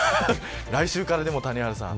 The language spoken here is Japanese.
来週から谷原さん